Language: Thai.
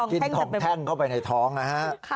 กินทองแท่งเข้าไปในท้องนะฮะ